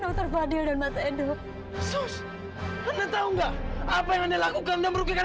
dokter fadil dan mas endo sus anda tahu enggak apa yang anda lakukan dan merugikan